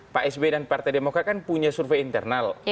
pak sby dan partai demokrat kan punya survei internal